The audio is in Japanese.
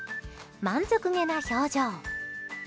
満足げな表情。